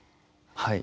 はい。